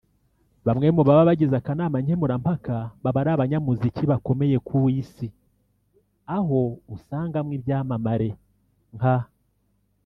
Bamwe mu baba bagize akanama nkemurampaka baba ari abanyamuziki bakomeye ku isi aho usangamo ibyamamare nka